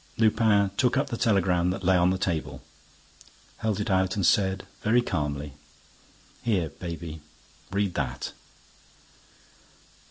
Lupin took up the telegram that lay on the table, held it out and said, very calmly: "Here, baby, read that."